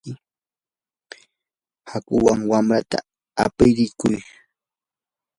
hakuwan wamrata aprinchik.